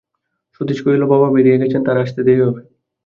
সতীশ কহিল, বাবা বেরিয়ে গেছেন, তাঁর আসতে দেরি হবে।